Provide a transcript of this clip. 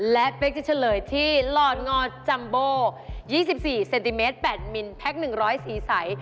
และเป๊กจะเฉลยที่หลอดงอจัมโบ๒๔เซนติเมตร๘มิลแพ็ค๑๐๐สีใส